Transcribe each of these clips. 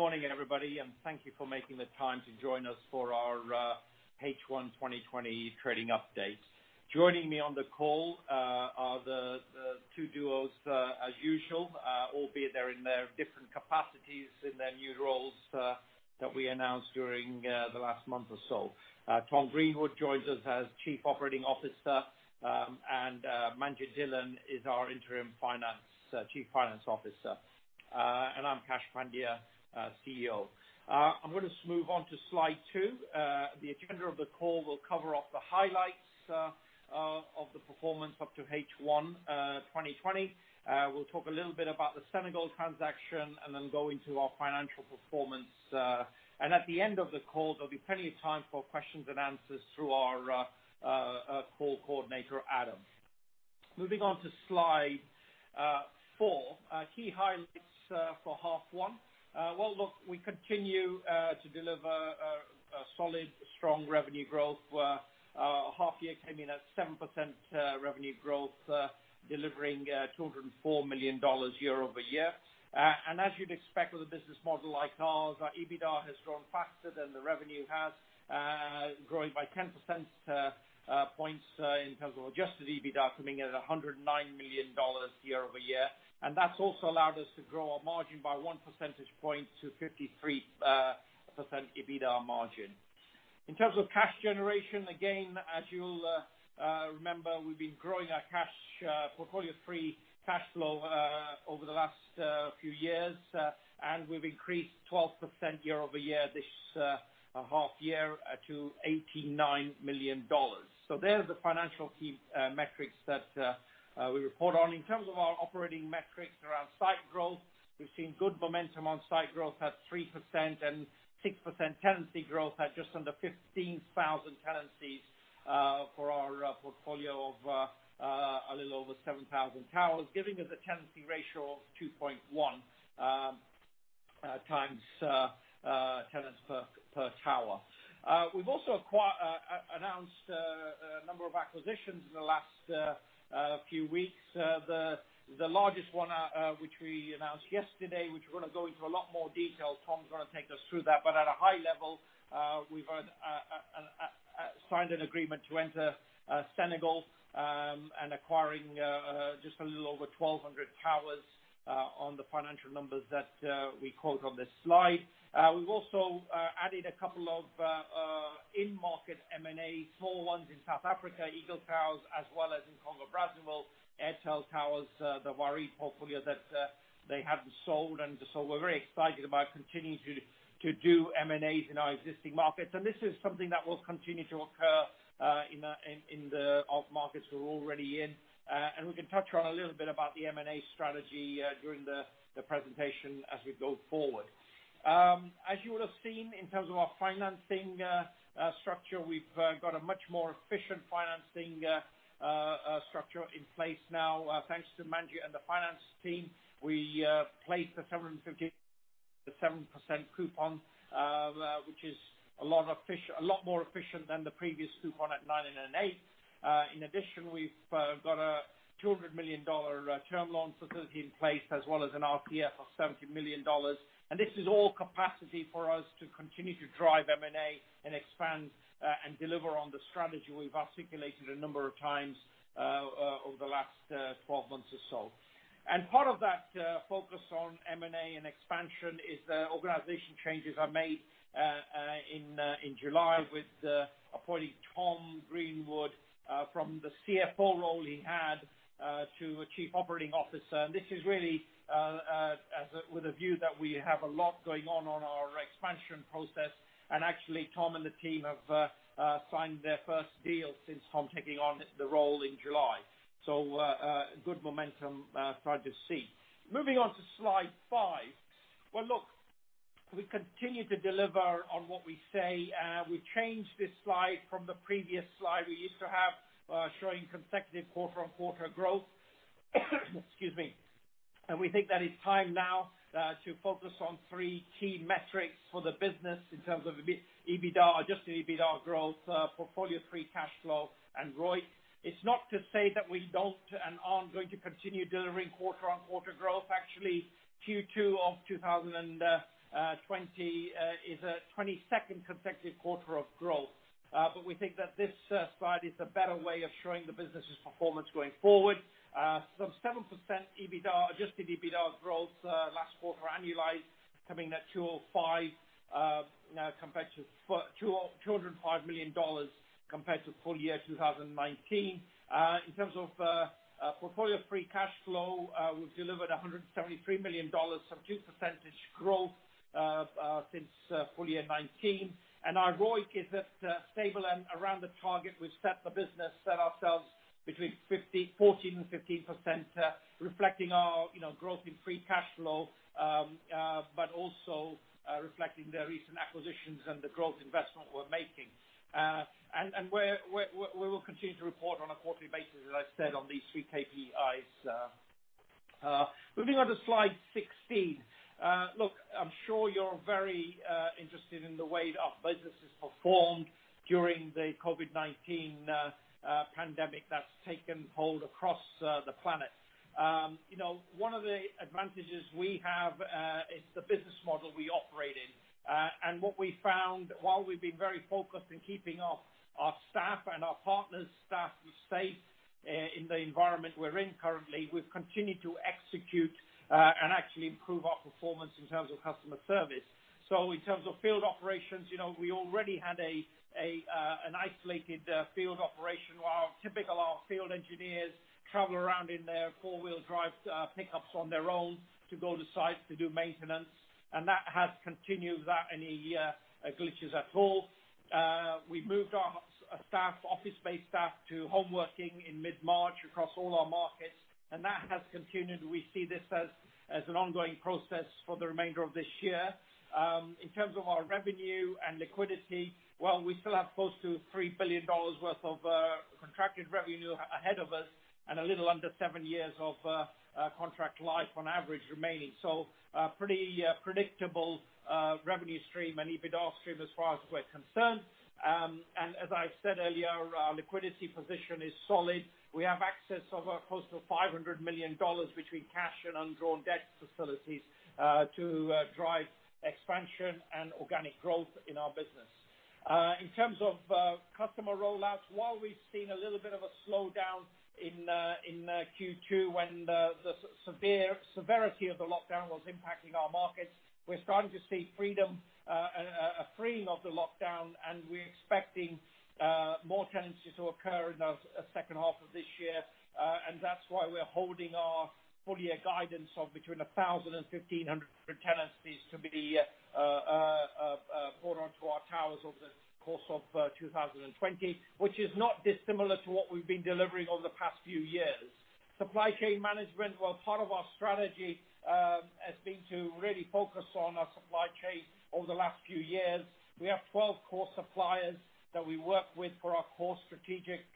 Good morning everybody, thank you for making the time to join us for our H1 2020 trading update. Joining me on the call are the two duos as usual, albeit they're in their different capacities in their new roles that we announced during the last month or so. Tom Greenwood joins us as Chief Operating Officer, Manjit Dhillon is our Interim Chief Financial Officer. I'm Kash Pandya, CEO. I'm going to move on to slide two. The agenda of the call will cover off the highlights of the performance up to H1 2020. We'll talk a little bit about the Senegal transaction, then go into our financial performance. At the end of the call, there'll be plenty of time for questions and answers through our Call Coordinator, Adam. Moving on to slide four, key highlights for half one. Well, look, we continue to deliver a solid, strong revenue growth where half year came in at 7% revenue growth, delivering $204 million year-over-year. As you'd expect with a business model like ours, our EBITDA has grown faster than the revenue has, growing by 10 percentage points in terms of adjusted EBITDA coming in at $109 million year-over-year. That's also allowed us to grow our margin by one percentage point to 53% EBITDA margin. In terms of cash generation, again, as you'll remember, we've been growing our cash portfolio of free cash flow over the last few years, and we've increased 12% year-over-year this half year to $89 million. There are the financial key metrics that we report on. In terms of our operating metrics around site growth, we've seen good momentum on site growth at 3% and 6% tenancy growth at just under 15,000 tenancies for our portfolio of a little over 7,000 towers, giving us a tenancy ratio of 2.1x tenants per tower. We've also announced a number of acquisitions in the last few weeks. The largest one, which we announced yesterday, which we're going to go into a lot more detail. Tom's going to take us through that. At a high level, we've signed an agreement to enter Senegal and acquiring just a little over 1,200 towers on the financial numbers that we quote on this slide. We've also added a couple of in-market M&A, small ones in South Africa, Eagle Towers, as well as in Congo, Brazzaville, Airtel Towers, the Warid portfolio that they haven't sold. We're very excited about continuing to do M&As in our existing markets. This is something that will continue to occur in the- All the markets we're already in. We can touch on a little bit about the M&A strategy during the presentation as we go forward. As you would have seen in terms of our financing structure, we've got a much more efficient financing structure in place now, thanks to Manjit and the finance team. We placed a $750 million at 7% coupon, which is a lot more efficient than the previous coupon at 9.125%. In addition, we've got a $200 million term loan facility in place, as well as an RCF of $70 million. This is all capacity for us to continue to drive M&A and expand, and deliver on the strategy we've articulated a number of times over the last 12 months or so. Part of that focus on M&A and expansion is the organization changes I made in July with appointing Tom Greenwood, from the CFO role he had, to a Chief Operating Officer. This is really with a view that we have a lot going on on our expansion process. Actually, Tom and the team have signed their first deal since Tom taking on the role in July. Good momentum, glad to see. Moving on to slide five. Well, look, we continue to deliver on what we say. We changed this slide from the previous slide we used to have, showing consecutive quarter-on-quarter growth. Excuse me. We think that it's time now to focus on three key metrics for the business in terms of EBITDA, adjusted EBITDA growth, portfolio free cash flow and ROIC. It's not to say that we don't and aren't going to continue delivering quarter-on-quarter growth. Actually, Q2 of 2020 is a 22nd consecutive quarter of growth. We think that this slide is a better way of showing the business's performance going forward. Some 7% adjusted EBITDA growth last quarter, annualized coming at $205 million compared to full year 2019. In terms of portfolio free cash flow, we've delivered $173 million, some 2% growth since full year 2019. Our ROIC is at stable and around the target we've set the business, set ourselves between 14% and 15%, reflecting our growth in free cash flow, but also reflecting the recent acquisitions and the growth investment we're making. We will continue to report on a quarterly basis, as I said, on these three KPIs. Moving on to slide 16. Look, I'm sure you're very interested in the way our business has performed during the COVID-19 pandemic that's taken hold across the planet. One of the advantages we have is the business model we operate in. What we found, while we've been very focused on keeping our staff and our partners' staff safe in the environment we're in currently, we've continued to execute and actually improve our performance in terms of customer service. In terms of field operations, we already had an isolated field operation, while typical our field engineers travel around in their four-wheel drive pickups on their own to go to sites to do maintenance, and that has continued without any glitches at all. We've moved our office-based staff to home working in mid-March across all our markets, and that has continued. We see this as an ongoing process for the remainder of this year. In terms of our revenue and liquidity, while we still have close to $3 billion worth of contracted revenue ahead of us and a little under seven years of contract life on average remaining. Pretty predictable revenue stream and EBITDA stream as far as we're concerned. As I said earlier, our liquidity position is solid. We have access of close to $500 million between cash and undrawn debt facilities to drive expansion and organic growth in our business. In terms of customer rollouts, while we've seen a little bit of a slowdown in Q2 when the severity of the lockdown was impacting our markets, we're starting to see a freeing of the lockdown, and we're expecting more tenancies to occur in the second half of this year. That's why we're holding our full-year guidance of between 1,000 and 1,500 tenancies to be brought onto our towers over the course of 2020, which is not dissimilar to what we've been delivering over the past few years. Supply chain management, while part of our strategy, has been to really focus on our supply chain over the last few years. We have 12 core suppliers that we work with for our core strategic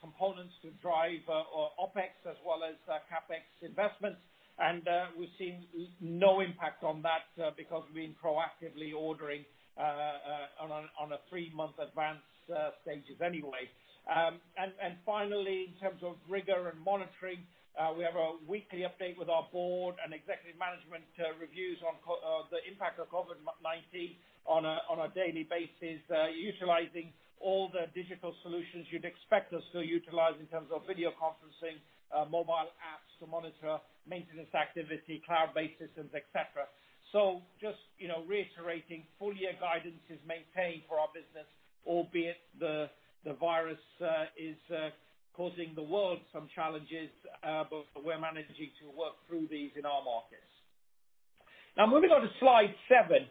components to drive our OpEx as well as CapEx investments. We've seen no impact on that because we've been proactively ordering on a three-month advance stages anyway. Finally, in terms of rigor and monitoring, we have a weekly update with our board and executive management reviews on the impact of COVID-19 on a daily basis, utilizing all the digital solutions you'd expect us to utilize in terms of video conferencing, mobile apps to monitor maintenance activity, cloud-based systems, et cetera. Just reiterating, full-year guidance is maintained for our business, albeit the virus is causing the world some challenges, but we're managing to work through these in our markets. Moving on to slide seven.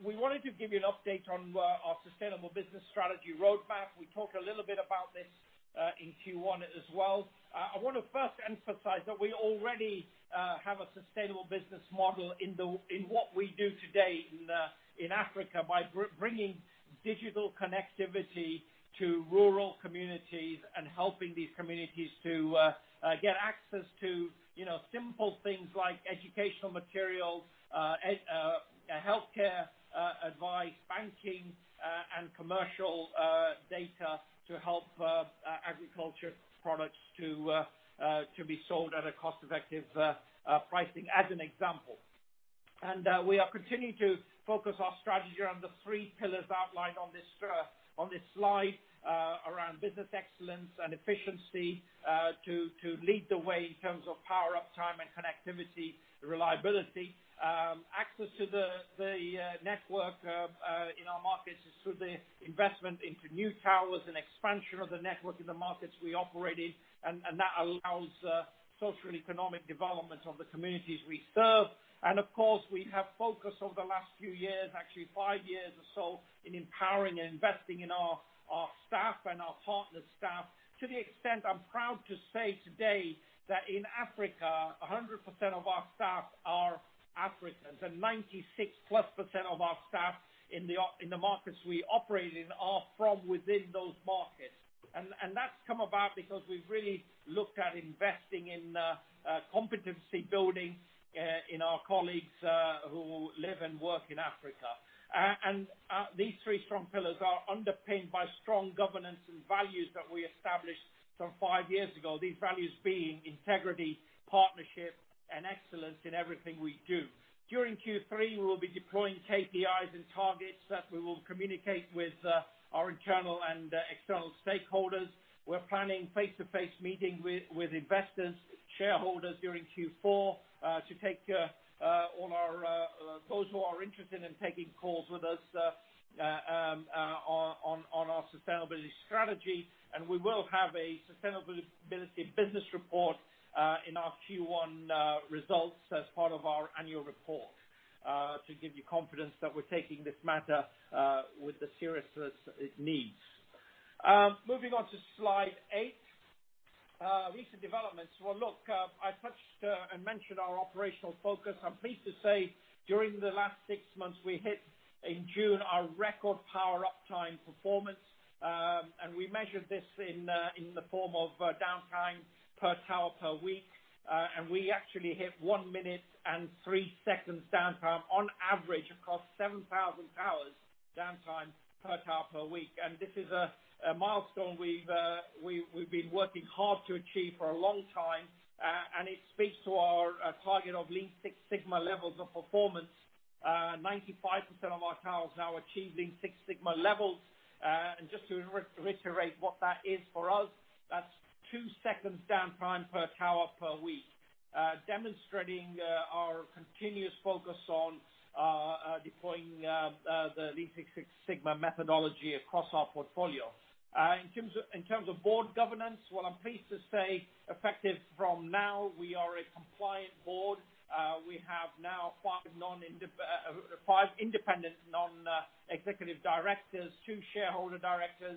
We wanted to give you an update on our sustainable business strategy roadmap. We talked a little bit about this in Q1 as well. I want to first emphasize that we already have a sustainable business model in what we do today in Africa by bringing digital connectivity to rural communities and helping these communities to get access to simple things like educational materials, healthcare advice, banking, and commercial data to help agriculture products to be sold at a cost-effective pricing, as an example. We are continuing to focus our strategy around the three pillars outlined on this slide around Business Excellence and efficiency to lead the way in terms of power uptime and connectivity reliability. Access to the network in our markets is through the investment into new towers and expansion of the network in the markets we operate in, and that allows social economic development of the communities we serve. Of course, we have focused over the last few years, actually five years or so, in empowering and investing in our staff and our partner staff to the extent I'm proud to say today that in Africa, 100% of our staff are Africans, and 96%+ of our staff in the markets we operate in are from within those markets. That's come about because we've really looked at investing in competency building in our colleagues who live and work in Africa. These three strong pillars are underpinned by strong governance and values that we established some five years ago, these values being integrity, partnership, and excellence in everything we do. During Q3, we will be deploying KPIs and targets that we will communicate with our internal and external stakeholders. We're planning face-to-face meetings with investors, shareholders during Q4 to take all those who are interested in taking calls with us on our sustainability strategy. We will have a sustainability business report in our Q1 results as part of our annual report to give you confidence that we're taking this matter with the seriousness it needs. Moving on to slide eight, recent developments. Well, look, I touched and mentioned our operational focus. I'm pleased to say during the last six months, we hit in June our record power uptime performance, and we measured this in the form of downtime per tower per week. We actually hit one minute and three seconds downtime on average across 7,000 towers, downtime per tower per week. This is a milestone we've been working hard to achieve for a long time, and it speaks to our target of Lean Six Sigma levels of performance. 95% of our towers now achieve Lean Six Sigma levels. Just to reiterate what that is for us, that's two seconds downtime per tower per week, demonstrating our continuous focus on deploying the Lean Six Sigma methodology across our portfolio. In terms of board governance, well, I'm pleased to say, effective from now, we are a compliant board. We have now five independent non-executive directors, two shareholder directors,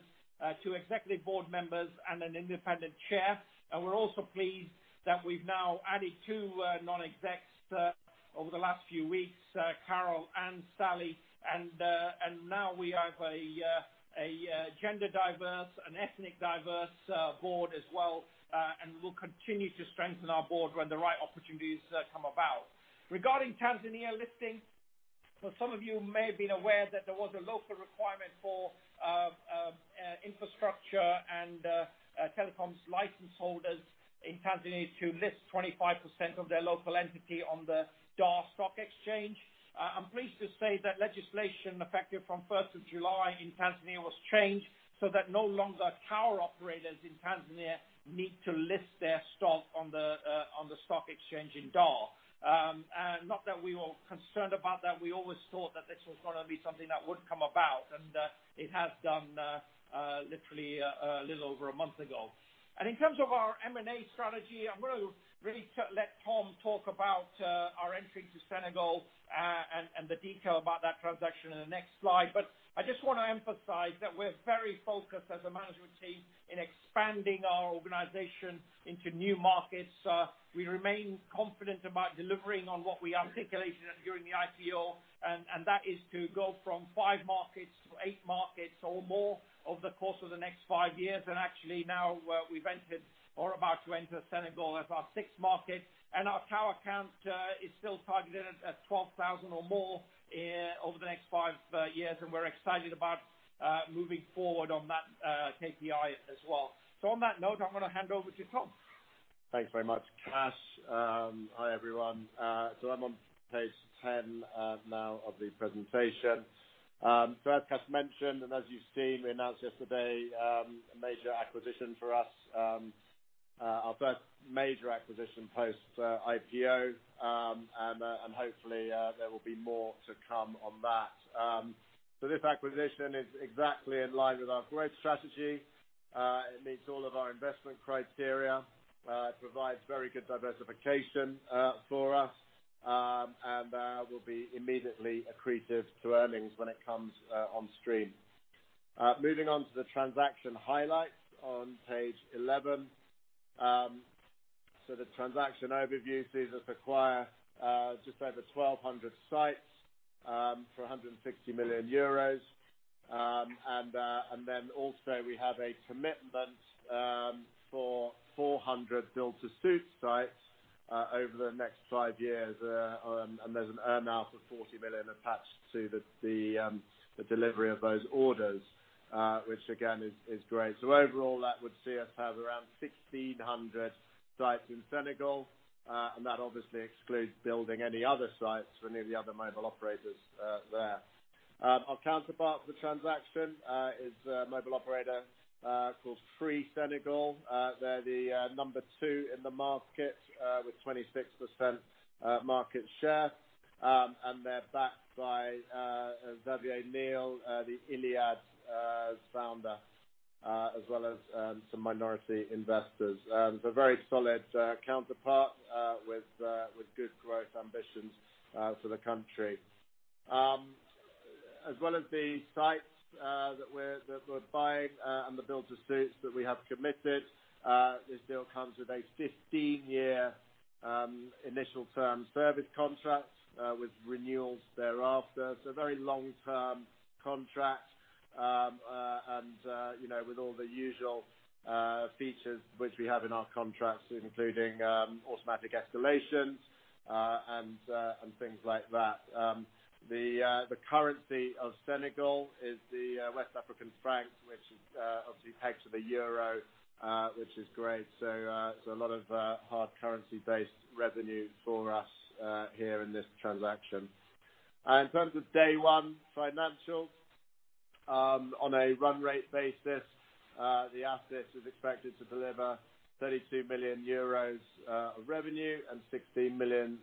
two executive board members, and an independent chair. We're also pleased that we've now added two non-execs over the last few weeks, Carole and Sally. Now we have a gender diverse and ethnic diverse board as well. We will continue to strengthen our board when the right opportunities come about. Regarding Tanzania listing, some of you may have been aware that there was a local requirement for infrastructure and telecoms license holders in Tanzania to list 25% of their local entity on the Dar Stock Exchange. I'm pleased to say that legislation effective from July 1st in Tanzania was changed, that no longer tower operators in Tanzania need to list their stock on the stock exchange in Dar. Not that we were concerned about that, we always thought that this was going to be something that would come about, and it has done literally a little over a month ago. In terms of our M&A strategy, I'm going to let Tom talk about our entry to Senegal, and the detail about that transaction in the next slide. I just want to emphasize that we're very focused as a management team in expanding our organization into new markets. We remain confident about delivering on what we articulated during the IPO, and that is to go from five markets to eight markets or more over the course of the next five years. Actually now we've entered or are about to enter Senegal as our sixth market. Our tower count is still targeted at 12,000 or more over the next five years, and we're excited about moving forward on that KPI as well. On that note, I'm going to hand over to Tom. Thanks very much, Kash. Hi, everyone. I'm on page 10 now of the presentation. As Kash mentioned, and as you've seen, we announced yesterday, a major acquisition for us, our first major acquisition post IPO, and hopefully there will be more to come on that. This acquisition is exactly in line with our growth strategy. It meets all of our investment criteria. It provides very good diversification for us, and will be immediately accretive to earnings when it comes on stream. Moving on to the transaction highlights on page 11. The transaction overview sees us acquire just over 1,200 sites for 160 million euros. Also we have a commitment for 400 build-to-suit sites over the next five years, and there's an earn out of 40 million attached to the delivery of those orders, which again, is great. Overall, that would see us have around 1,600 sites in Senegal. That obviously excludes building any other sites for any of the other mobile operators there. Our counterpart for the transaction is a mobile operator called Free Senegal. They're the number two in the market, with 26% market share. They're backed by Xavier Niel, the Iliad's founder, as well as some minority investors. Very solid counterpart with good growth ambitions for the country. As well as the sites that we're buying and the build-to-suits that we have committed, this deal comes with a 15-year initial term service contract, with renewals thereafter. It's a very long-term contract, with all the usual features which we have in our contracts, including automatic escalation, things like that. The currency of Senegal is the West African franc, which is obviously pegged to the euro, which is great. A lot of hard currency-based revenue for us here in this transaction. In terms of day one financials, on a run-rate basis, the asset is expected to deliver 32 million euros of revenue and 16 million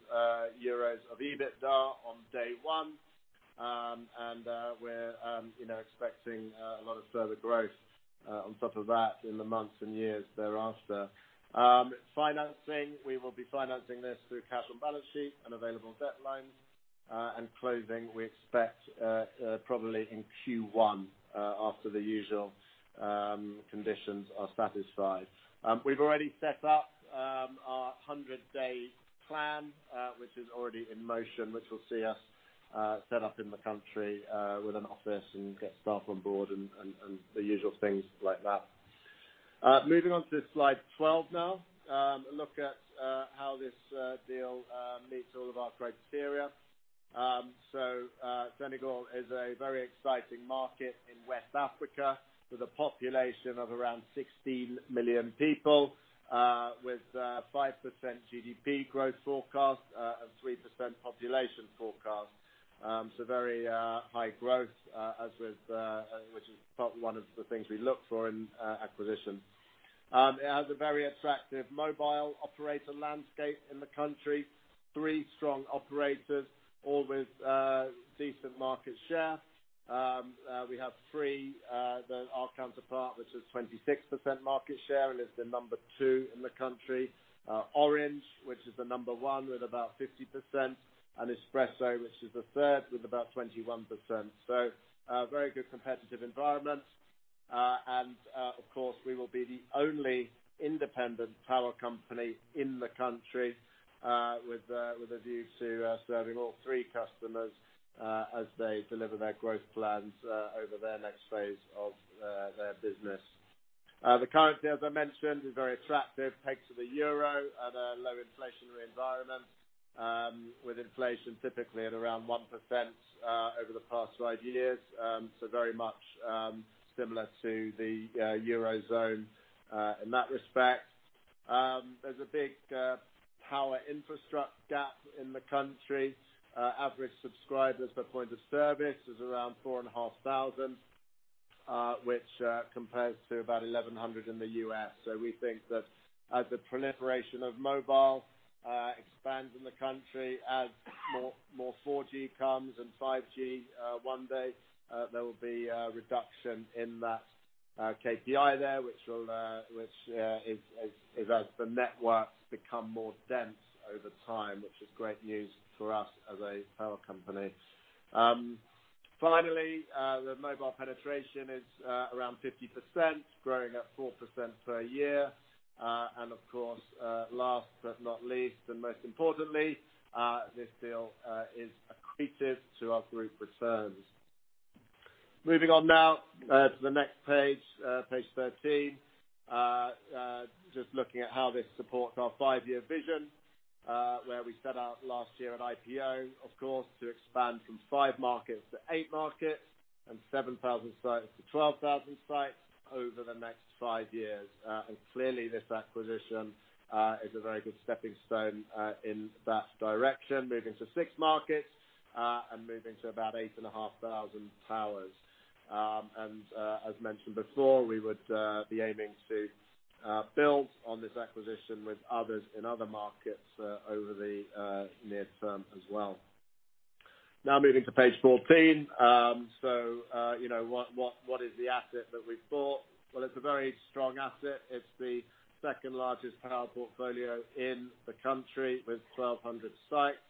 euros of EBITDA on day one. We're expecting a lot of further growth on top of that in the months and years thereafter. Financing. We will be financing this through cash and balance sheet and available debt lines. Closing, we expect probably in Q1, after the usual conditions are satisfied. We've already set up our 100-day plan which is already in motion, which will see us set up in the country with an office and get staff on board and the usual things like that. Moving on to slide 12 now. A look at how this deal meets all of our criteria. Senegal is a very exciting market in West Africa, with a population of around 16 million people, with 5% GDP growth forecast, and 3% population forecast. Very high growth, which is one of the things we look for in acquisition. It has a very attractive mobile operator landscape in the country. Three strong operators, all with decent market share. We have three. Our counterpart, which is 26% market share and is the number two in the country, Orange, which is the number one with about 50%, and Expresso, which is the third with about 21%. A very good competitive environment. Of course, we will be the only independent tower company in the country with a view to serving all three customers as they deliver their growth plans over their next phase of their business. The currency, as I mentioned, is very attractive, pegged to the euro and a low inflationary environment, with inflation typically at around 1% over the past five years. Very much similar to the eurozone in that respect. There's a big power infrastructure gap in the country. Average subscribers per point of service is around 4,500, which compares to about 1,100 in the U.S. We think that as the proliferation of mobile expands in the country, as more 4G comes, and 5G one day, there will be a reduction in that KPI there, which as the networks become more dense over time, which is great news for us as a tower company. Finally, the mobile penetration is around 50%, growing at 4% per year. Of course, last but not least, and most importantly, this deal is accretive to our group returns. Moving on now to the next page 13. Just looking at how this supports our five-year vision, where we set out last year at IPO, of course, to expand from five markets to eight markets and 7,000 sites to 12,000 sites over the next five years. Clearly this acquisition is a very good stepping stone in that direction, moving to six markets, moving to about 8,500 towers. As mentioned before, we would be aiming to build on this acquisition with others in other markets over the near term as well. Now moving to page 14. What is the asset that we've bought? Well, it's a very strong asset. It's the second-largest tower portfolio in the country with 1,200 sites.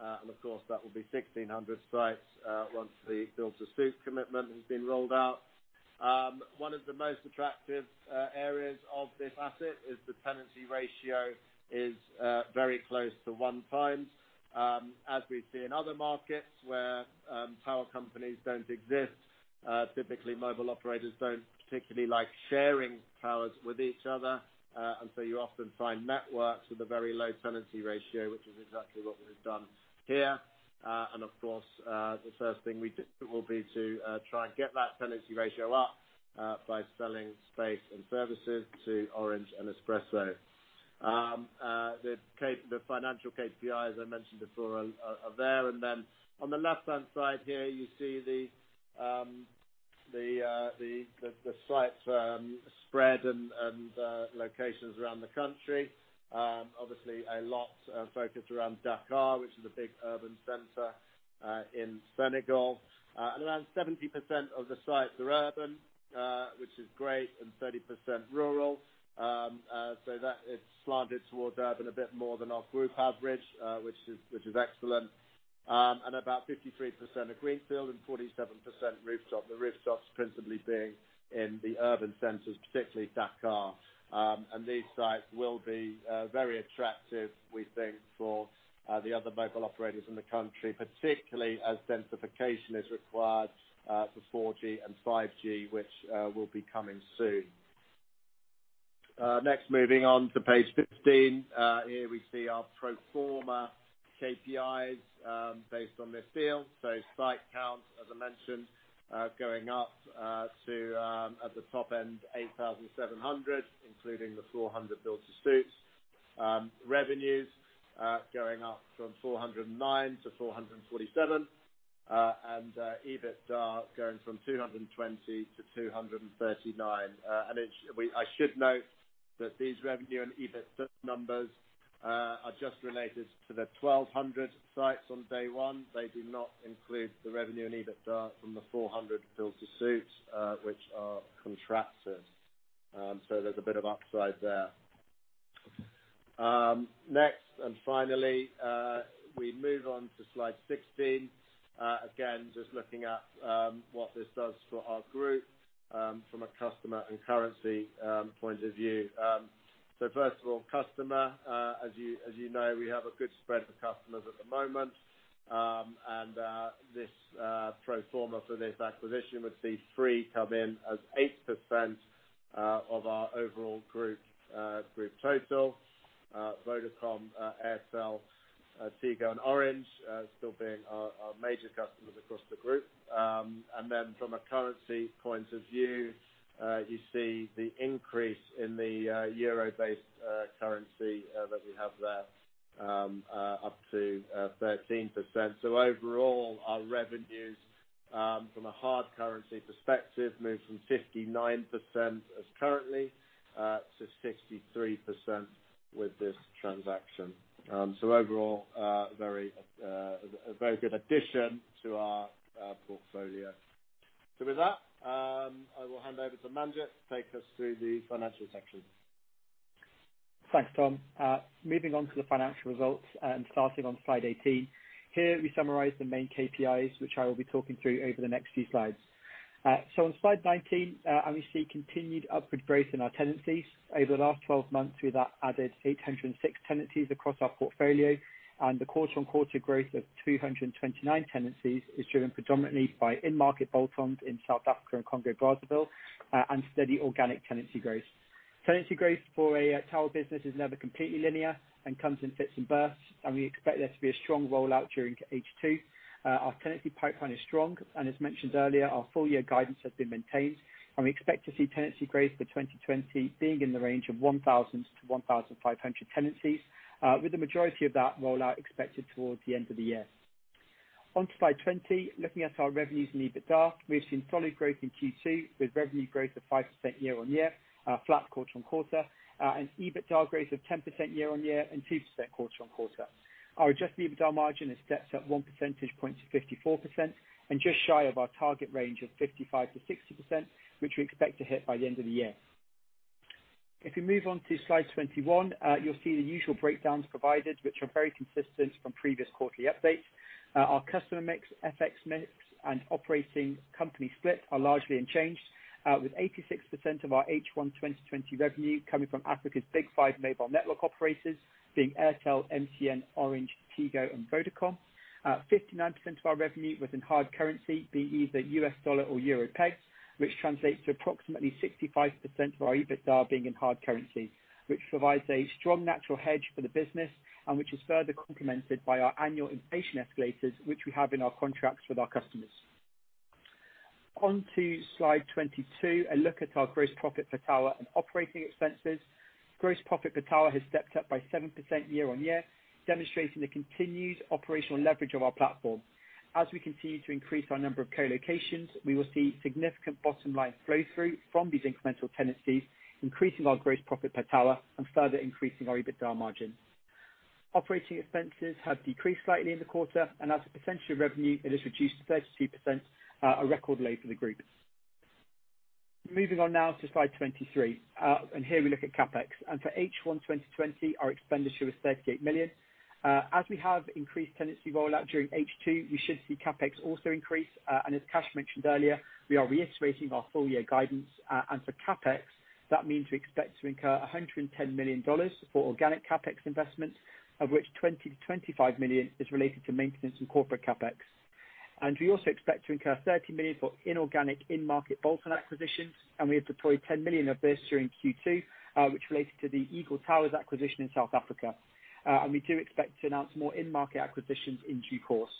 Of course, that will be 1,600 sites once the build-to-suit commitment has been rolled out. One of the most attractive areas of this asset is the tenancy ratio is very close to 1x. As we see in other markets where tower companies don't exist, typically mobile operators don't particularly like sharing towers with each other. You often find networks with a very low tenancy ratio, which is exactly what we've done here. Of course, the first thing we did will be to try and get that tenancy ratio up by selling space and services to Orange and Expresso. The financial KPIs I mentioned before are there. Then on the left-hand side here, you see the sites spread and locations around the country. Obviously, a lot focused around Dakar, which is a big urban center in Senegal. Around 70% of the sites are urban, which is great, and 30% rural. That is slanted towards urban a bit more than our group average, which is excellent. About 53% are greenfield and 47% rooftop. The rooftops principally being in the urban centers, particularly Dakar. These sites will be very attractive, we think, for the other mobile operators in the country, particularly as densification is required for 4G and 5G, which will be coming soon. Next, moving on to page 15. Here we see our pro forma KPIs based on this deal. Site count, as I mentioned, going up to, at the top end, 8,700, including the 400 build-to-suits. Revenues going up from $409 million to $447 million, and EBITDA going from $220 million to $239 million. I should note that these revenue and EBITDA numbers are just related to the 1,200 sites on day one. They do not include the revenue and EBITDA from the 400 build-to-suits, which are contracted. There's a bit of upside there. Next, and finally, we move on to slide 16. Again, just looking at what this does for our group from a customer and currency point of view. First of all, customer, as you know, we have a good spread of customers at the moment. This pro forma for this acquisition would see Free come in as 8% of our overall group total. Vodacom, Airtel, Tigo, and Orange still being our major customers across the group. Then from a currency point of view, you see the increase in the euro-based currency that we have there, up to 13%. Overall, our revenues from a hard currency perspective moved from 59% as currently to 63% with this transaction. Overall, a very good addition to our portfolio. With that, I will hand over to Manjit to take us through the financial section. Thanks, Tom. Moving on to the financial results and starting on slide 18. Here we summarize the main KPIs, which I will be talking through over the next few slides. On slide 19, we see continued upward growth in our tenancies. Over the last 12 months, we have added 806 tenancies across our portfolio, and the quarter-on-quarter growth of 229 tenancies is driven predominantly by in-market bolt-ons in South Africa and Congo Brazzaville, and steady organic tenancy growth. Tenancy growth for a tower business is never completely linear and comes in fits and bursts, and we expect there to be a strong rollout during H2. Our tenancy pipeline is strong, and as mentioned earlier, our full year guidance has been maintained, and we expect to see tenancy growth for 2020 being in the range of 1,000 to 1,500 tenancies, with the majority of that rollout expected towards the end of the year. On to slide 20, looking at our revenues and EBITDA. We've seen solid growth in Q2, with revenue growth of 5% year-on-year, flat quarter-on-quarter, and EBITDA growth of 10% year-on-year and 2% quarter-on-quarter. Our adjusted EBITDA margin has stepped up 1 percentage point to 54% and just shy of our target range of 55% to 60%, which we expect to hit by the end of the year. If you move on to slide 21, you'll see the usual breakdowns provided, which are very consistent from previous quarterly updates. Our customer mix, FX mix, and operating company split are largely unchanged, with 86% of our H1 2020 revenue coming from Africa's Big Five mobile network operators being Airtel, MTN, Orange, Tigo, and Vodacom. 59% of our revenue was in hard currency, be either US dollar or euro pegged, which translates to approximately 65% of our EBITDA being in hard currency, which provides a strong natural hedge for the business and which is further complemented by our annual inflation escalators, which we have in our contracts with our customers. On to slide 22, a look at our gross profit per tower and operating expenses. Gross profit per tower has stepped up by 7% year-on-year, demonstrating the continued operational leverage of our platform. As we continue to increase our number of co-location, we will see significant bottom line flow-through from these incremental tenancies, increasing our gross profit per tower and further increasing our EBITDA margin. Operating expenses have decreased slightly in the quarter, and as a percentage of revenue, it has reduced to 32%, a record low for the group. Moving on now to slide 23, here we look at CapEx. For H1 2020, our expenditure was $38 million. As we have increased tenancy rollout during H2, we should see CapEx also increase. As Kash mentioned earlier, we are reiterating our full year guidance. For CapEx, that means we expect to incur $110 million for organic CapEx investments, of which $20 million-$25 million is related to maintenance and corporate CapEx. We also expect to incur $30 million for inorganic in-market bolt-on acquisitions, and we have deployed $10 million of this during Q2, which related to the Eagle Towers acquisition in South Africa. We do expect to announce more in-market acquisitions in due course.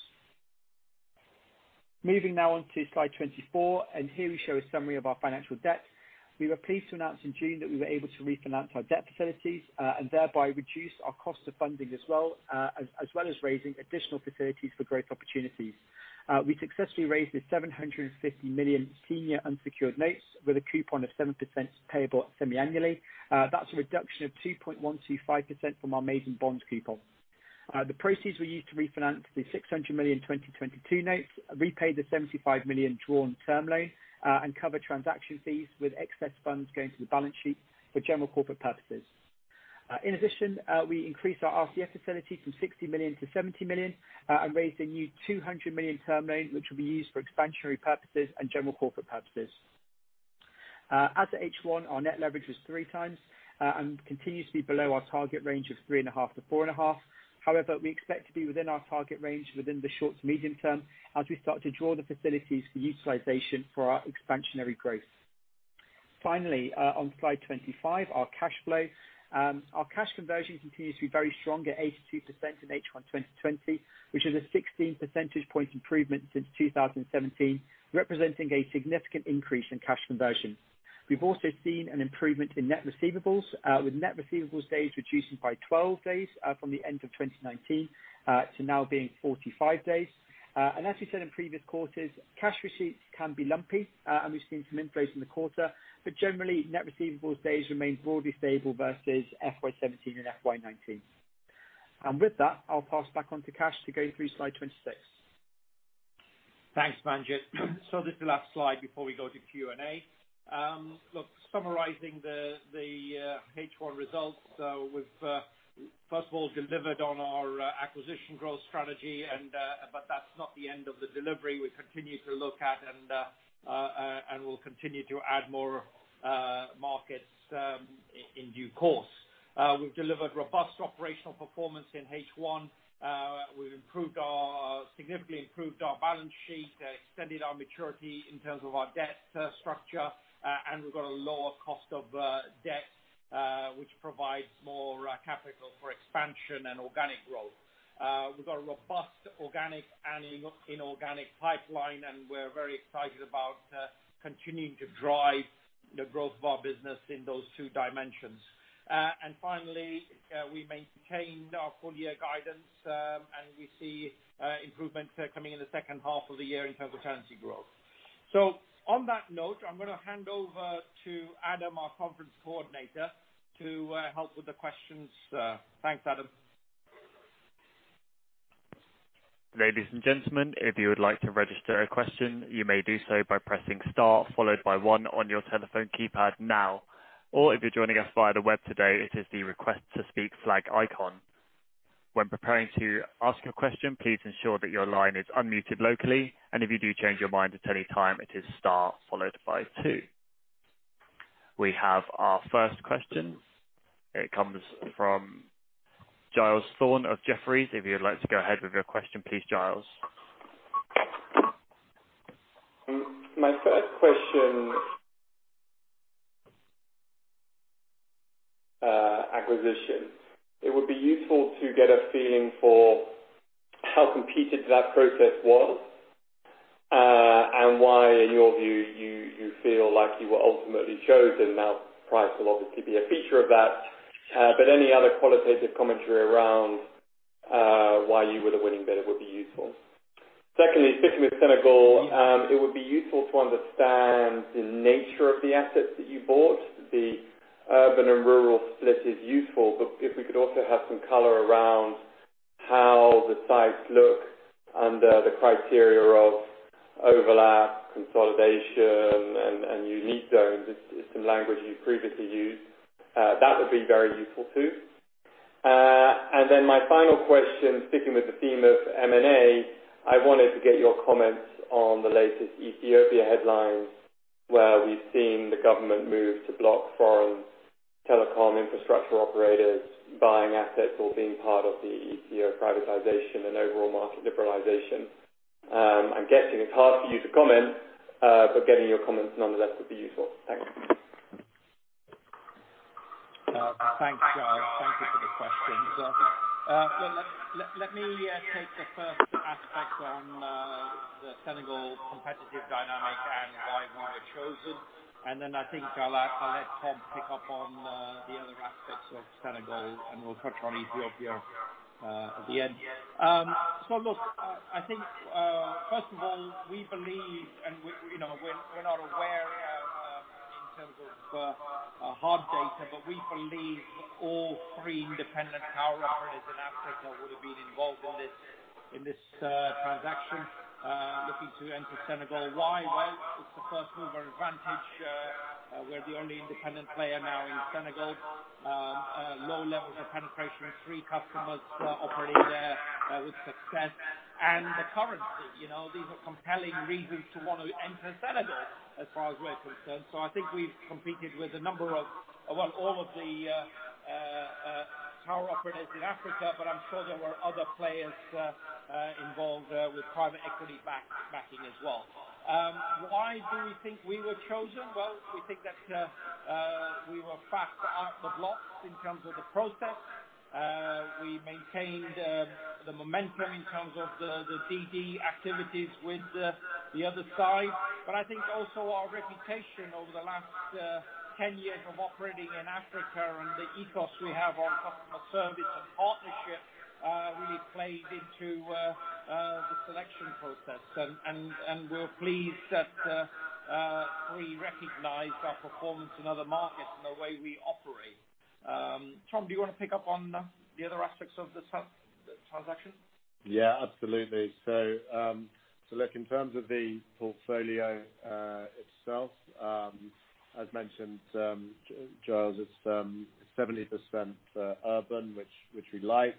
Moving now on to slide 24, and here we show a summary of our financial debt. We were pleased to announce in June that we were able to refinance our debt facilities, and thereby reduce our cost of funding as well, as well as raising additional facilities for growth opportunities. We successfully raised this $750 million senior unsecured notes with a coupon of 7% payable semi-annually. That's a reduction of 2.125% from our maiden bonds coupon. The proceeds were used to refinance the $600 million 2022 notes, repay the $75 million drawn term loan, and cover transaction fees with excess funds going to the balance sheet for general corporate purposes. In addition, we increased our RCF facility from $60 million to $70 million and raised a new $200 million term loan, which will be used for expansionary purposes and general corporate purposes. As of H1, our net leverage was 3x, and continues to be below our target range of 3.5x-4.5x. However, we expect to be within our target range within the short to medium term as we start to draw the facilities for utilization for our expansionary growth. Finally, on slide 25, our cash flow. Our cash conversion continues to be very strong at 82% in H1 2020, which is a 16 percentage point improvement since 2017, representing a significant increase in cash conversion. We've also seen an improvement in net receivables, with net receivables days reducing by 12 days from the end of 2019 to now being 45 days. As we said in previous quarters, cash receipts can be lumpy, and we've seen some inflation in the quarter. Generally, net receivables days remain broadly stable versus FY 2017 and FY 2019. With that, I'll pass back on to Kash to go through slide 26. Thanks, Manjit. This is the last slide before we go to Q&A. Look, summarizing the H1 results, we've first of all delivered on our acquisition growth strategy, but that's not the end of the delivery. We continue to look at and will continue to add more markets. In due course. We've delivered robust operational performance in H1. We've significantly improved our balance sheet, extended our maturity in terms of our debt structure, and we've got a lower cost of debt, which provides more capital for expansion and organic growth. We've got a robust organic and inorganic pipeline, and we're very excited about continuing to drive the growth of our business in those two dimensions. Finally, we maintained our full year guidance, and we see improvements coming in the second half of the year in terms of tenancy growth. On that note, I'm going to hand over to Adam, our Call Coordinator, to help with the questions. Thanks, Adam. Ladies and gentlemen, if you would like to register a question, you may do so by pressing star followed by one on your telephone keypad now. If you're joining us via the web today, it is the Request to Speak flag icon. When preparing to ask your question, please ensure that your line is unmuted locally, and if you do change your mind at any time, it is star followed by two. We have our first question. It comes from Giles Thorne of Jefferies. If you'd like to go ahead with your question, please, Giles. My first question, acquisition. It would be useful to get a feeling for how competitive that process was, and why, in your view, you feel like you were ultimately chosen. Now, price will obviously be a feature of that. Any other qualitative commentary around why you were the winning bidder would be useful. Secondly, sticking with Senegal, it would be useful to understand the nature of the assets that you bought. The urban and rural split is useful, but if we could also have some color around how the sites look under the criteria of overlap, consolidation, and unique zones is some language you've previously used. That would be very useful, too. My final question, sticking with the theme of M&A, I wanted to get your comments on the latest Ethiopia headlines, where we've seen the government move to block foreign telecom infrastructure operators buying assets or being part of the Ethiopia privatization and overall market liberalization. I'm guessing it's hard for you to comment, but getting your comments nonetheless would be useful. Thanks. Thanks, Giles. Thank you for the question. Let me take the first aspect on the Senegal competitive dynamic and why we were chosen. I think I'll let Tom pick up on the other aspects of Senegal. We'll touch on Ethiopia at the end. Look, I think, first of all, we're not aware in terms of hard data, but we believe all three independent tower operators in Africa would have been involved in this transaction looking to enter Senegal. Why? Well, it's the first-mover advantage. We're the only independent player now in Senegal. Low levels of penetration, three customers operating there with success, and the currency. These are compelling reasons to want to enter Senegal, as far as we're concerned. I think we've competed with all of the tower operators in Africa, but I'm sure there were other players involved with private equity backing as well. Why do we think we were chosen? Well, we think that we were fast out the blocks in terms of the process. We maintained the momentum in terms of the DD activities with the other side. I think also our reputation over the last 10 years of operating in Africa and the ethos we have on customer service and partnership really played into the selection process. We're pleased that we recognized our performance in other markets and the way we operate. Tom, do you want to pick up on the other aspects of the transaction? Absolutely. Look, in terms of the portfolio itself, as mentioned, Giles, it's 70% urban, which we like.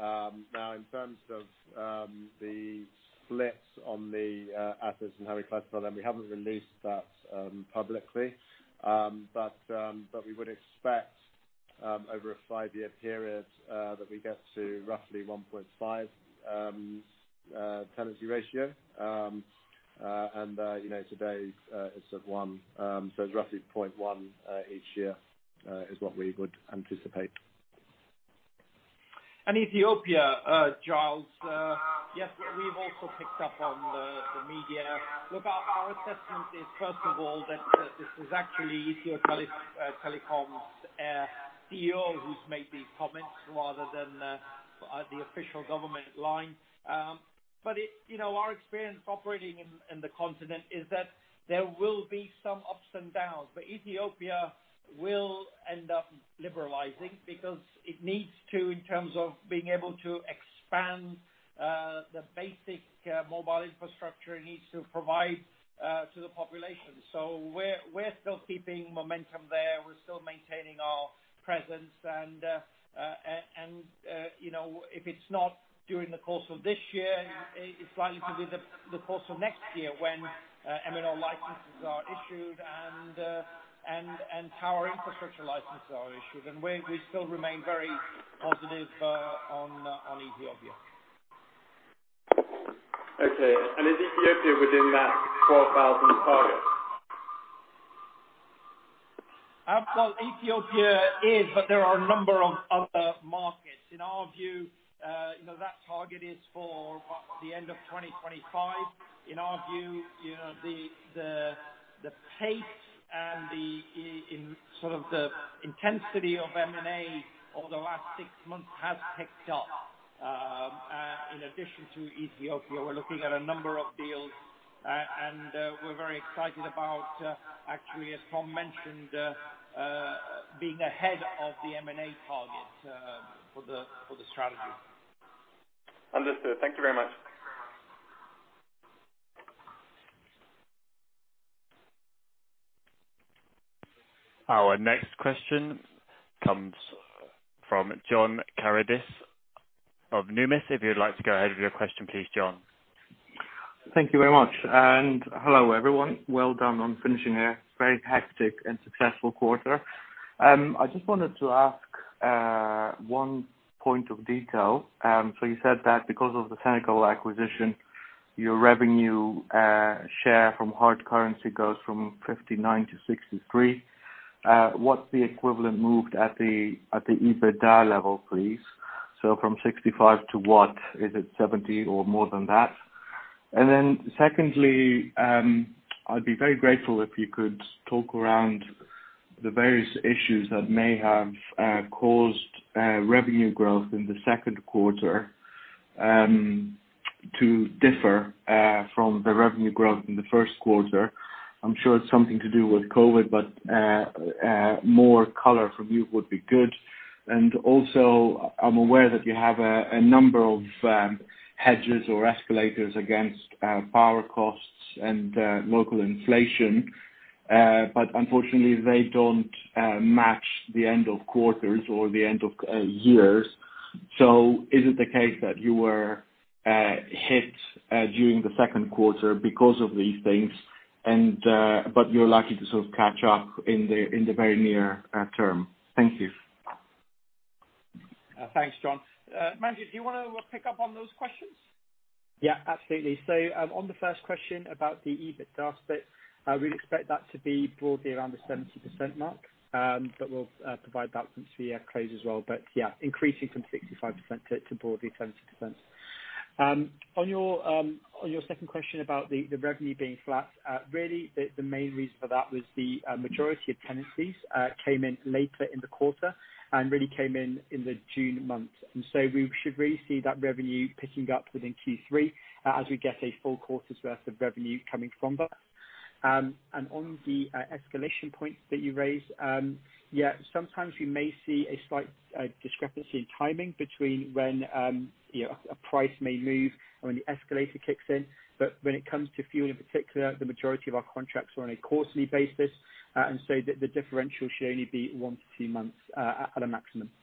In terms of the splits on the assets and how we classify them, we haven't released that publicly. We would expect over a five-year period that we get to roughly 1.5x tenancy ratio. Today it's at one. It's roughly 0.1x each year is what we would anticipate. Ethiopia, Giles. Yes, we've also picked up on the media. Look, our assessment is, first of all, that this is actually Ethio Telecom's CEO who's made these comments rather than the official government line. Our experience operating in the continent is that there will be some ups and downs, but Ethiopia will end up liberalizing because it needs to in terms of being able to expand the basic mobile infrastructure it needs to provide to the population. We're still keeping momentum there. We're still maintaining our presence and if it's not during the course of this year, it's likely to be the course of next year when MNO licenses are issued and tower infrastructure licenses are issued. We still remain very positive on Ethiopia. Okay. Is Ethiopia within that 12,000 target? Ethiopia is, but there are a number of other markets. In our view, that target is for the end of 2025. In our view, the pace and the intensity of M&A over the last six months has picked up. In addition to Ethiopia, we're looking at a number of deals, and we're very excited about, actually, as Tom mentioned, being ahead of the M&A target for the strategy. Understood. Thank you very much. Our next question comes from John Karidis of Numis. If you'd like to go ahead with your question, please, John. Thank you very much. Hello, everyone. Well done on finishing a very hectic and successful quarter. I just wanted to ask one point of detail. You said that because of the Senegal acquisition, your revenue share from hard currency goes from 59% to 63%. What's the equivalent moved at the EBITDA level, please? From 65% to what? Is it 70% or more than that? Secondly, I'd be very grateful if you could talk around the various issues that may have caused revenue growth in the second quarter to differ from the revenue growth in the first quarter. I'm sure it's something to do with COVID, but more color from you would be good. I'm aware that you have a number of hedges or escalators against power costs and local inflation. Unfortunately, they don't match the end of quarters or the end of years. Is it the case that you were hit during the second quarter because of these things, but you're likely to sort of catch up in the very near term? Thank you. Thanks, John. Manjit, do you want to pick up on those questions? Yeah, absolutely. On the first question about the EBITDA bit, we'd expect that to be broadly around the 70% mark, but we'll provide that once we close as well. Yeah, increasing from 65% to broadly 70%. On your second question about the revenue being flat, really, the main reason for that was the majority of tenancies came in later in the quarter and really came in the June month. We should really see that revenue picking up within Q3 as we get a full quarter's worth of revenue coming from that. On the escalation points that you raised, yeah, sometimes we may see a slight discrepancy in timing between when a price may move and when the escalator kicks in. When it comes to fuel, in particular, the majority of our contracts are on a quarterly basis, and so the differential should only be one to two months at a maximum. Thank you.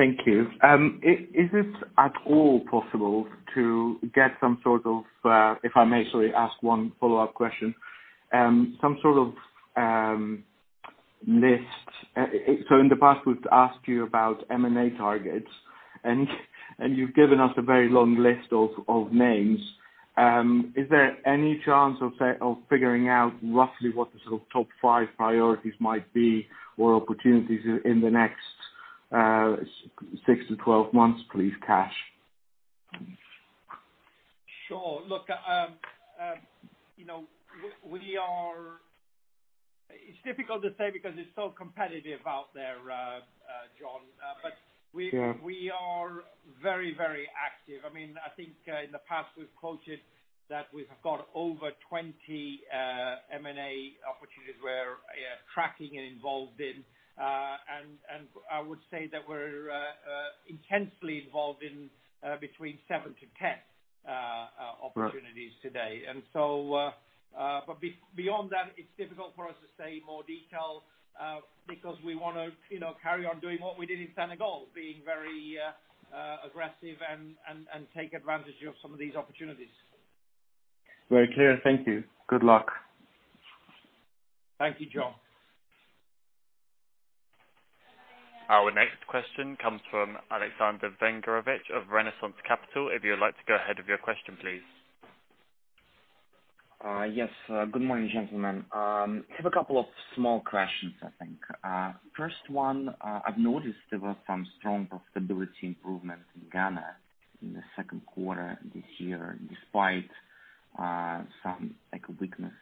Is it at all possible to get some sort of, if I may, sorry, ask one follow-up question, some sort of list? In the past, we've asked you about M&A targets, and you've given us a very long list of names. Is there any chance of figuring out roughly what the sort of top five priorities might be or opportunities in the next six to 12 months, please, Kash? Sure. Look, it's difficult to say because it's so competitive out there, John. Yeah. We are very active. I think in the past we've quoted that we've got over 20 M&A opportunities we're tracking and involved in. I would say that we're intensely involved in between 7 to 10 opportunities today. Beyond that, it's difficult for us to say more detail because we want to carry on doing what we did in Senegal, being very aggressive and take advantage of some of these opportunities. Very clear. Thank you. Good luck. Thank you, John. Our next question comes from Alexander Vengranovich of Renaissance Capital. If you would like to go ahead with your question, please. Yes. Good morning, gentlemen. I have a couple of small questions, I think. First one, I have noticed there were some strong profitability improvements in Ghana in the second quarter this year, despite some weakness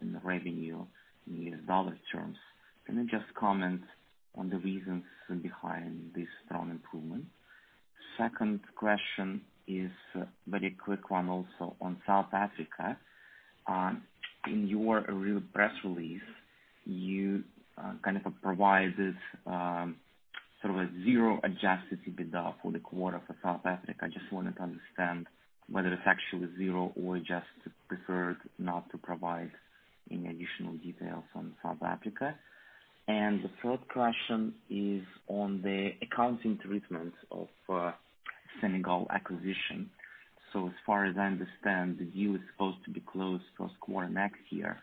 in the revenue in dollar terms. Can you just comment on the reasons behind this strong improvement? Second question is a very quick one also on South Africa. In your real press release, you kind of provided sort of a zero adjusted EBITDA for the quarter for South Africa. I just wanted to understand whether it is actually zero or just you preferred not to provide any additional details on South Africa. The third question is on the accounting treatment of Senegal acquisition. As far as I understand, the deal is supposed to be closed first quarter next year.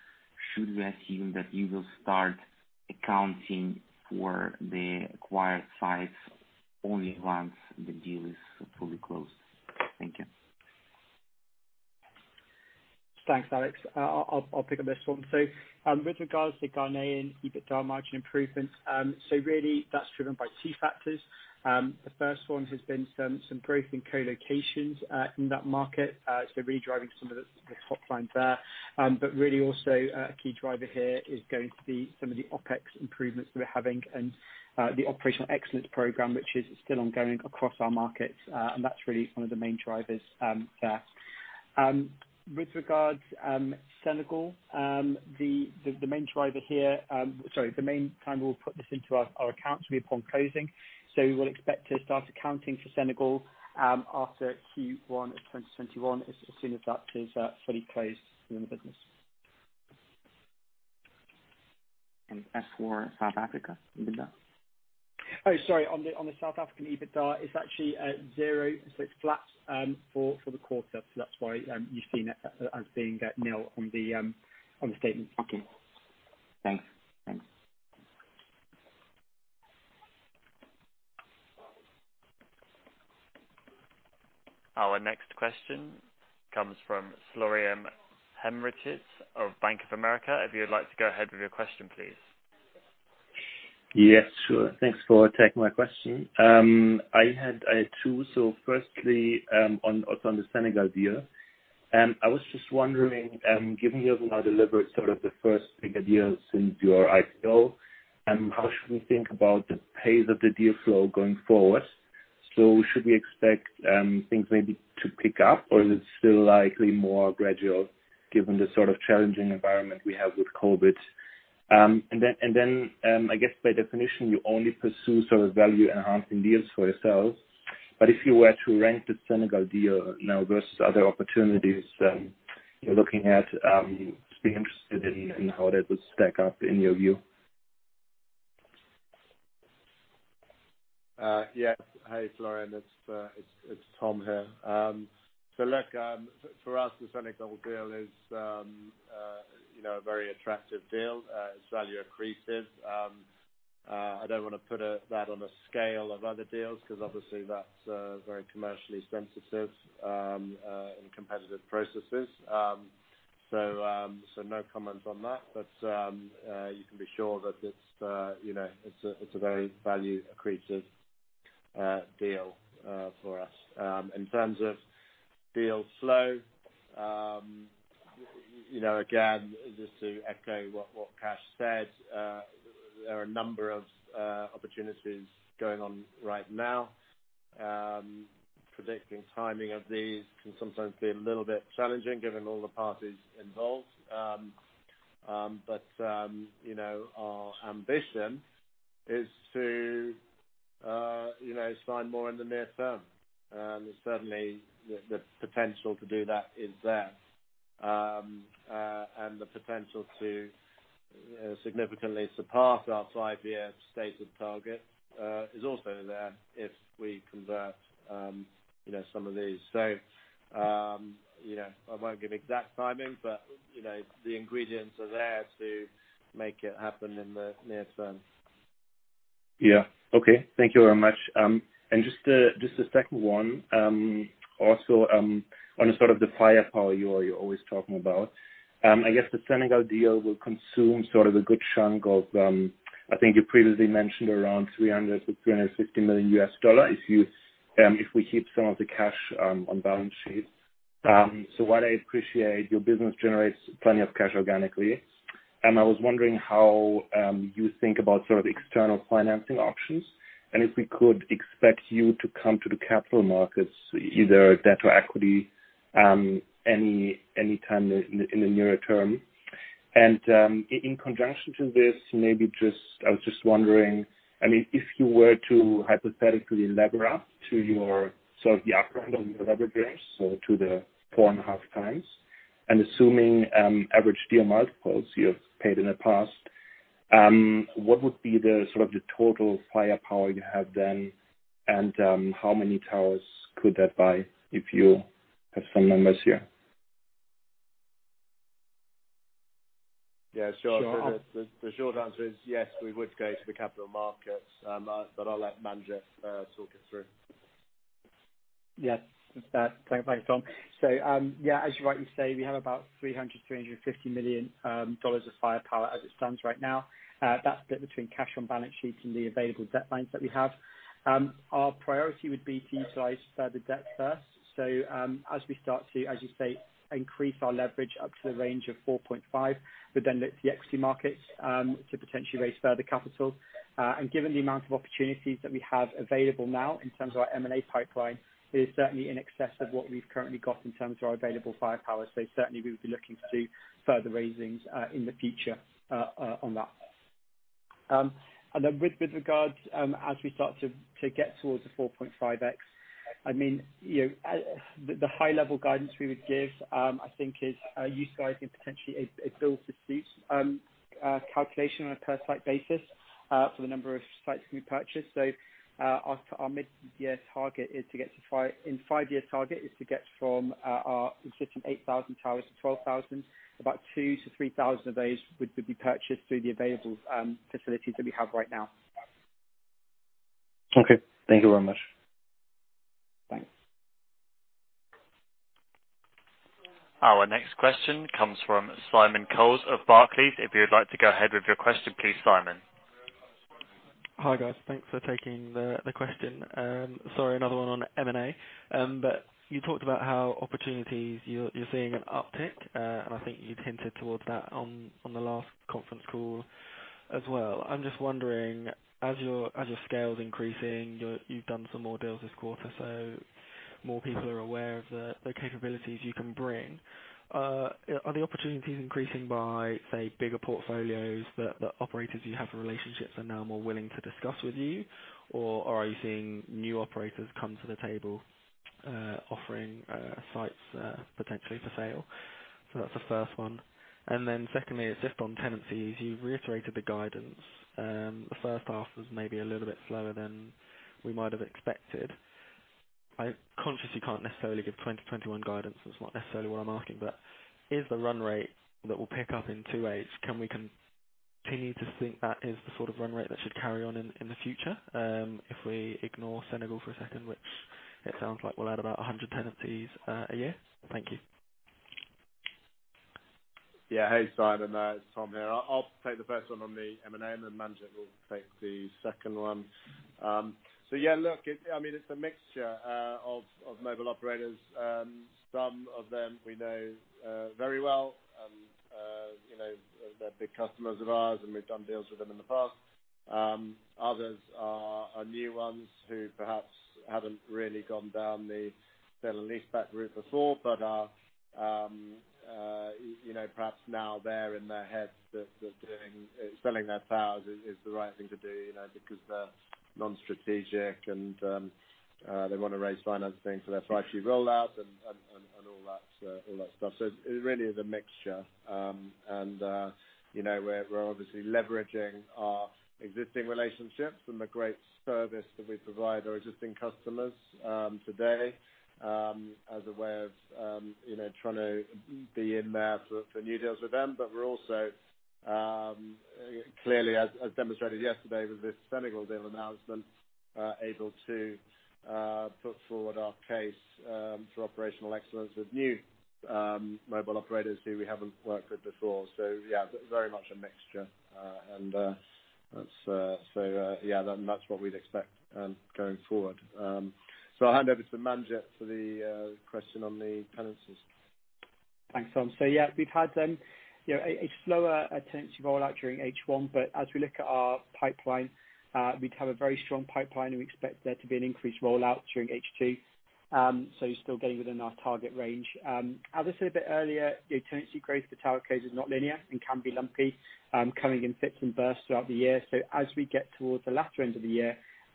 Should we assume that you will start accounting for the acquired sites only once the deal is fully closed? Thank you. Thanks, Alex. I'll pick up this one. With regards to Ghanaian EBITDA margin improvement, so really that's driven by two factors. The first one has been some growth in co-locations in that market, so really driving some of the top line there. Really also a key driver here is going to be some of the OpEx improvements that we're having and the operational excellence program, which is still ongoing across our markets. That's really one of the main drivers there. With regards Senegal, the main time we'll put this into our accounts will be upon closing. We will expect to start accounting for Senegal after Q1 of 2021, as soon as that is fully closed within the business. As for South Africa EBITDA? Oh, sorry. On the South African EBITDA, it's actually at zero. It's flat for the quarter. That's why you're seeing that nil on the statement. Okay. Thanks. Our next question comes from Florian Henrichs of Bank of America. If you would like to go ahead with your question, please. Yes, sure. Thanks for taking my question. I had two. Firstly, on also on the Senegal deal. I was just wondering, given you have now delivered sort of the first big deal since your IPO, how should we think about the pace of the deal flow going forward? Should we expect things maybe to pick up, or is it still likely more gradual given the sort of challenging environment we have with COVID? I guess by definition, you only pursue sort of value-enhancing deals for yourselves, but if you were to rank the Senegal deal now versus other opportunities you're looking at, just be interested in how that would stack up in your view. Yes. Hey, Florian, it's Tom here. Look, for us, the Senegal deal is a very attractive deal. It's value accretive. I don't want to put that on a scale of other deals because obviously, that's very commercially sensitive in competitive processes. No comment on that. You can be sure that it's a very value accretive deal for us. In terms of deal flow, again, just to echo what Kash said, there are a number of opportunities going on right now. Predicting timing of these can sometimes be a little bit challenging given all the parties involved. Our ambition is to sign more in the near term, and certainly the potential to do that is there. The potential to significantly surpass our five-year stated target is also there if we convert some of these. I won't give exact timing, but the ingredients are there to make it happen in the near term. Yeah. Okay. Thank you very much. Just the second one, also on the sort of the firepower you're always talking about. I guess the Senegal deal will consume sort of a good chunk of, I think you previously mentioned around $300 million-$350 million if we keep some of the cash on balance sheet. While I appreciate your business generates plenty of cash organically, I was wondering how you think about sort of external financing options, and if we could expect you to come to the capital markets, either debt or equity, any time in the near term. In conjunction to this, I was just wondering, if you were to hypothetically lever up to your sort of the upper end of your leverage base, so to the four and a half times, and assuming average deal multiples you have paid in the past, what would be the sort of the total firepower you have then, and how many towers could that buy, if you have some numbers here? Yeah, sure. Sure. The short answer is yes, we would go to the capital markets, but I'll let Manjit talk it through. Yeah. Thanks, Tom. As you rightly say, we have about $300 million, $350 million of firepower as it stands right now. That's split between cash on balance sheet and the available debt lines that we have. Our priority would be to utilize further debt first. As we start to, as you say, increase our leverage up to the range of 4.5x, we'd then look to the equity markets to potentially raise further capital. Given the amount of opportunities that we have available now in terms of our M&A pipeline, it is certainly in excess of what we've currently got in terms of our available firepower. Certainly, we would be looking to do further raisings in the future on that. With regards, as we start to get towards the 4.5x, the high level guidance we would give, I think is you guys get potentially a build-to-suit calculation on a per site basis for the number of sites we purchased. Five-year target is to get from our existing 8,000 towers to 12,000, about 2,000 to 3,000 of those would be purchased through the available facilities that we have right now. Okay. Thank you very much. Thanks. Our next question comes from Simon Coles of Barclays. If you would like to go ahead with your question, please, Simon. Hi, guys. Thanks for taking the question. Sorry, another one on M&A, but you talked about how opportunities you're seeing an uptick, and I think you hinted towards that on the last conference call as well. I'm just wondering, as your scale is increasing, you've done some more deals this quarter, so more people are aware of the capabilities you can bring. Are the opportunities increasing by, say, bigger portfolios that operators you have relationships are now more willing to discuss with you? Or are you seeing new operators come to the table, offering sites potentially for sale? That's the first one. Secondly, just on tenancies, you reiterated the guidance. The first half was maybe a little bit slower than we might have expected. I consciously can't necessarily give 2021 guidance. That's not necessarily what I'm asking, is the run rate that will pick up in 2H, can we continue to think that is the sort of run rate that should carry on in the future? If we ignore Senegal for a second, which it sounds like we'll add about 100 tenancies a year. Thank you. Yeah. Hey, Simon. It's Tom here. I'll take the first one on the M&A, and then Manjit will take the second one. Yeah, look, it's a mixture of mobile operators. Some of them we know very well. They're big customers of ours, and we've done deals with them in the past. Others are new ones who perhaps haven't really gone down the sale and leaseback route before, but perhaps now they're in their heads that selling their towers is the right thing to do because they're non-strategic and they want to raise finance things for their 5G rollout and all that stuff. It really is a mixture. We're obviously leveraging our existing relationships and the great service that we provide our existing customers today, as a way of trying to be in there for new deals with them. We're also, clearly, as demonstrated yesterday with this Senegal deal announcement, able to put forward our case for operational excellence with new mobile operators who we haven't worked with before. Yeah, very much a mixture. That's what we'd expect going forward. I'll hand over to Manjit for the question on the tenancies. Thanks, Tom. Yeah, we've had a slower tenancy rollout during H1, but as we look at our pipeline, we have a very strong pipeline, and we expect there to be an increased rollout during H2. You're still getting within our target range. As I said a bit earlier, the tenancy growth for TowerCo is not linear and can be lumpy, coming in fits and bursts throughout the year. As we get towards the latter end of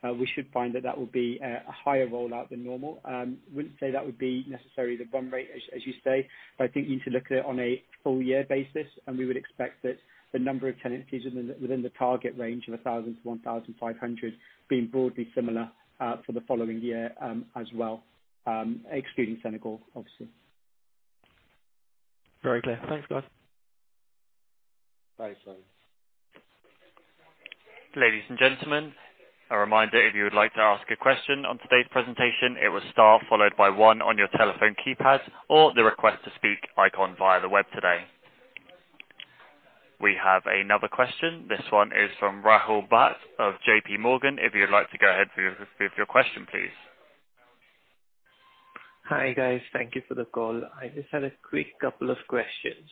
the year, we should find that that will be a higher rollout than normal. I wouldn't say that would be necessarily the run rate, as you say, but I think you need to look at it on a full year basis, and we would expect that the number of tenancies within the target range of 1,000-1,500 being broadly similar for the following year as well, excluding Senegal, obviously. Very clear. Thanks, guys. Thanks, Simon. Ladies and gentlemen, a reminder, if you would like to ask a question on today's presentation, it was star followed by one on your telephone keypad or the Request to Speak icon via the web today. We have another question. This one is from Rahul Bhat of JPMorgan. If you'd like to go ahead with your question, please. Hi, guys. Thank you for the call. I just had a quick couple of questions.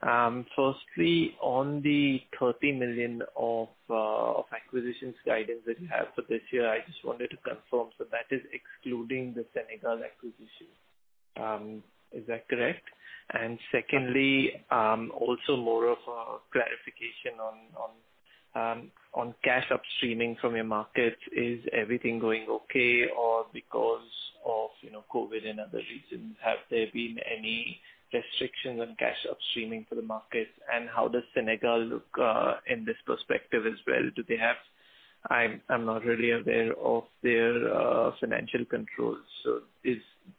Firstly, on the $30 million of acquisitions guidance that you have for this year, I just wanted to confirm, so that is excluding the Senegal acquisition. Is that correct? Secondly, also more of a clarification on cash upstreaming from your markets. Is everything going okay? Because of COVID and other reasons, have there been any restrictions on cash upstreaming for the markets? How does Senegal look in this perspective as well? I'm not really aware of their financial controls.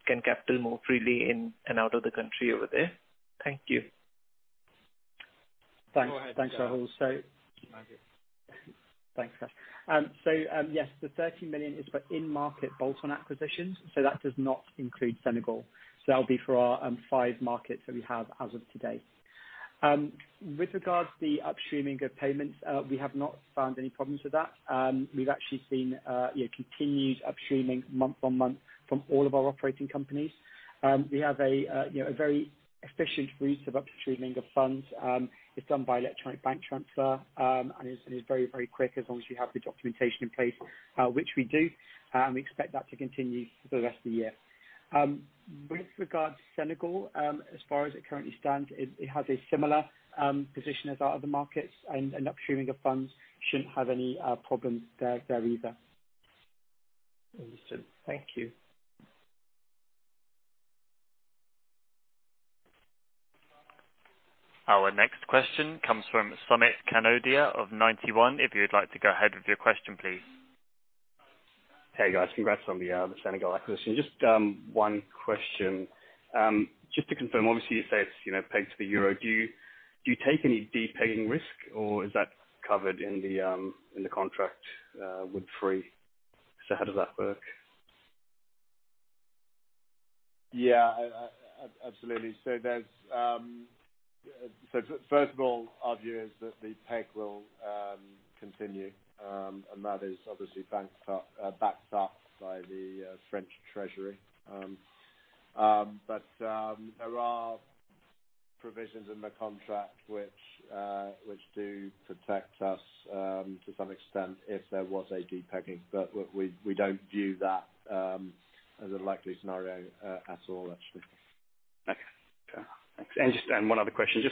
Can capital move freely in and out of the country over there? Thank you. Thanks, Rahul. Go ahead, Manjit. Thanks. Yes, the $30 million is for in-market bolt-on acquisitions, so that does not include Senegal. That'll be for our five markets that we have as of today. With regards to the upstreaming of payments, we have not found any problems with that. We've actually seen continued upstreaming month-on-month from all of our operating companies. We have a very efficient route of upstreaming of funds. It's done by electronic bank transfer, and it's very, very quick as long as you have the documentation in place, which we do. We expect that to continue for the rest of the year. With regard to Senegal, as far as it currently stands, it has a similar position as our other markets, and upstreaming of funds shouldn't have any problems there either. Understood. Thank you. Our next question comes from Sumit Kanodia of Ninety One. If you'd like to go ahead with your question, please. Hey, guys. Congrats on the Senegal acquisition. Just one question. Just to confirm, obviously, you say it's pegged to the euro. Do you take any de-pegging risk, or is that covered in the contract with Free? How does that work? Yeah, absolutely. First of all, our view is that the peg will continue, and that is obviously backed up by the French Treasury. There are provisions in the contract which do protect us to some extent if there was a de-pegging. We don't view that as a likely scenario at all, actually. Okay. One other question.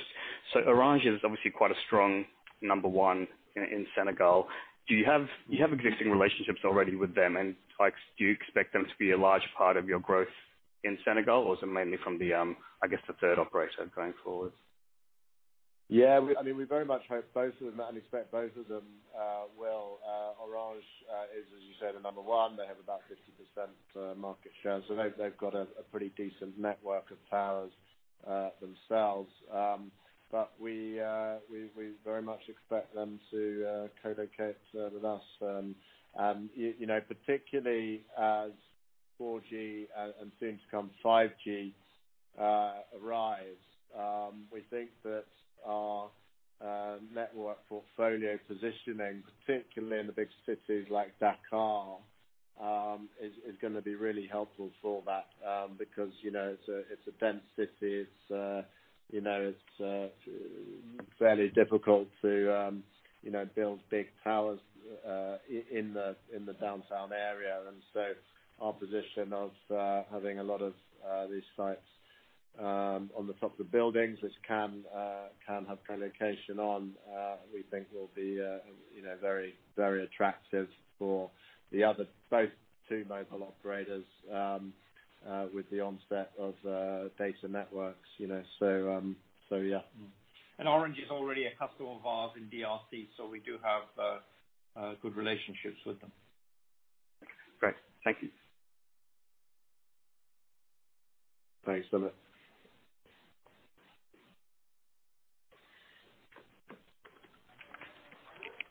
Orange is obviously quite a strong number one in Senegal. Do you have existing relationships already with them? Do you expect them to be a large part of your growth in Senegal or is it mainly from, I guess, the third operator going forward? Yeah, we very much hope both of them and expect both of them will. Orange is, as you said, the number one. They have about 50% market share, so they've got a pretty decent network of towers themselves. We very much expect them to co-locate with us, particularly as 4G and soon to come 5G arrive. We think that our network portfolio positioning, particularly in the big cities like Dakar, is going to be really helpful for that. It's a dense city, it's fairly difficult to build big towers in the downtown area. Our position of having a lot of these sites on the top of the buildings, which can have co-location on, we think will be very attractive for both mobile operators with the onset of data networks. Yeah. Orange is already a customer of ours in DRC, so we do have good relationships with them. Great. Thank you. Thanks, Sumit.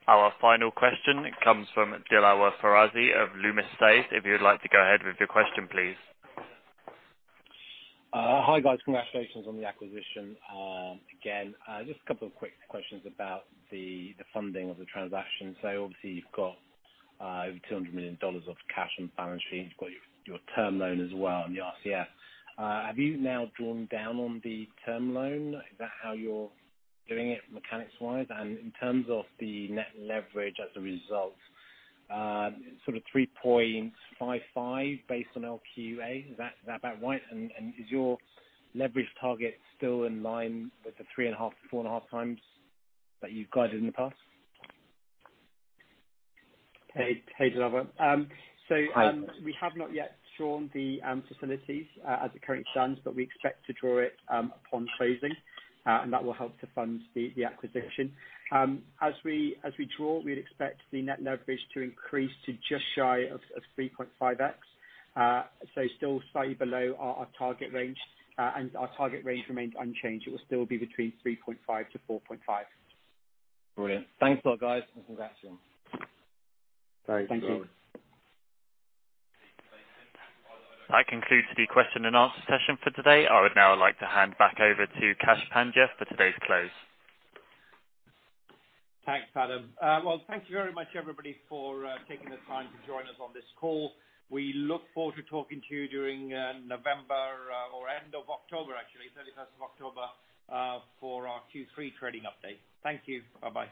Our final question comes from Dilawer Farazi of Loomis Sayles. If you would like to go ahead with your question, please. Hi, guys. Congratulations on the acquisition again. Just a couple of quick questions about the funding of the transaction. Obviously you've got over $200 million of cash on the balance sheet, and you've got your term loan as well on the RCF. Have you now drawn down on the term loan? Is that how you're doing it mechanics-wise? In terms of the net leverage as a result, sort of 3.55x based on LQA. Is that about right? Is your leverage target still in line with the 3.5x, 4.5x times that you've guided in the past? Hey, Dilawer. Hi. We have not yet drawn the facilities as it currently stands, but we expect to draw it upon closing, and that will help to fund the acquisition. As we draw, we'd expect the net leverage to increase to just shy of 3.5x. Still slightly below our target range. Our target range remains unchanged. It will still be between 3.5x-4.5x. Brilliant. Thanks a lot, guys, and congrats again. Thanks, Dilawer. Thank you. That concludes the question and answer session for today. I would now like to hand back over to Kash Pandya for today's close. Thanks, Adam. Well, thank you very much, everybody, for taking the time to join us on this call. We look forward to talking to you during November or end of October, actually, October 31st, for our Q3 trading update. Thank you. Bye-bye.